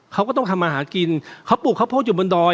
เขาก็ต้องทำมาหากินเขาปลูกข้าวโพดอยู่บนดอย